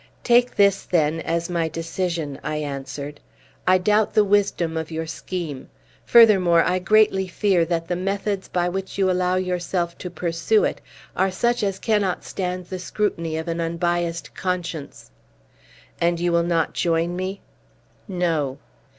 "Take this, then, as my decision," I answered. "I doubt the wisdom of your scheme. Furthermore, I greatly fear that the methods by which you allow yourself to pursue it are such as cannot stand the scrutiny of an unbiassed conscience." "And you will not join me?" "No!"